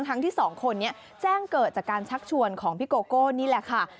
ทั้งสองคนนี้แจ้งเกิดจากการชักชวนของพี่โกโก้นี่แหละค่ะ